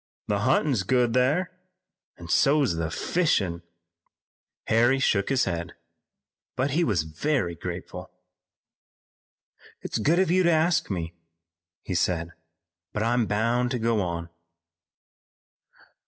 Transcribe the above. The huntin's good thar, an' so's the fishin'." Harry shook his head, but he was very grateful. "It's good of you to ask me," he said, "but I'm bound to go on."